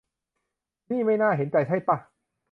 นี่ไม่น่าเห็นใจใช่ป่ะ